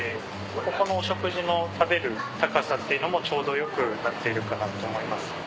ここのお食事の食べる高さっていうのもちょうどよくなっているかなと思います。